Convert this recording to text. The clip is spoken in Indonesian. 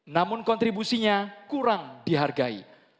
namun kontribusinya kurang dihargai